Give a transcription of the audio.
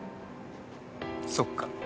そっか。